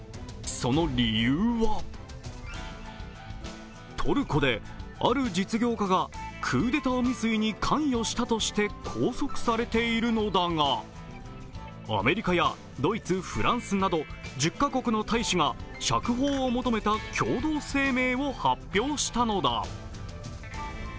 その理由は、トルコである実業家がクーデター未遂で関与したとして拘束されているのだがアメリカやドイツ、フランスなど１０カ国の大使が釈放を求めた共同声明を発表したのだ。